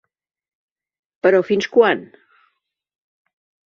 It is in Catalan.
Però fins quan?